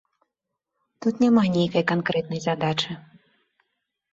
Тут няма нейкай канкрэтнай задачы.